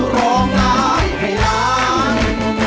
ร้องได้ให้ร้อง